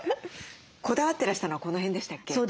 こだわってらしたのはこの辺でしたっけ？